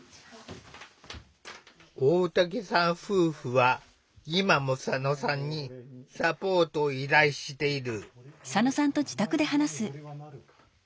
大滝さん夫婦は今も佐野さんにサポートを依頼している。